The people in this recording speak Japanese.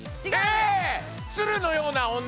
鶴のような女？